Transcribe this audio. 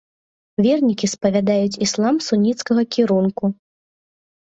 Вернікі спавядаюць іслам суніцкага кірунку.